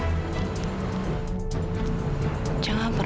jangan pernah bocorin rahasia ini ke siapa apa